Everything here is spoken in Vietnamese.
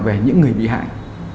về những người bị hại